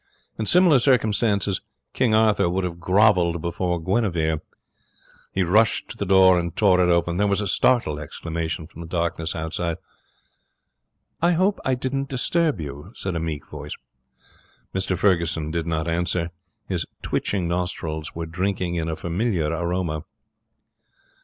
In similar circumstances King Arthur would have grovelled before Guinevere. He rushed to the door and tore it open. There was a startled exclamation from the darkness outside. 'I hope I didn't disturb you,' said a meek voice. Mr Ferguson did not answer. His twitching nostrils were drinking in a familiar aroma.